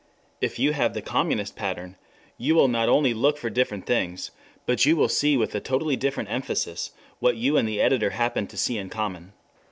If you have the communist pattern, you will not only look for different things, but you will see with a totally different emphasis what you and the editor happen to see in common.